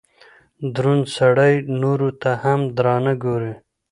دروند سړئ نورو ته هم درانه ګوري